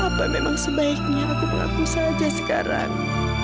apa memang sebaiknya aku mengaku saja sekarang